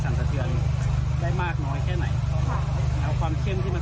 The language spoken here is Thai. ซึ่งความเข้มตัวนี้มันสามารถที่จะปรับความหยาบความละเอียดกันได้